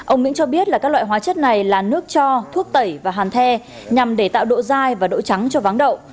ông mỹ cho biết là các loại hóa chất này là nước cho thuốc tẩy và hàn the nhằm để tạo độ dai và độ trắng cho váng đậu